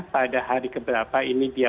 pada hari keberapa ini dia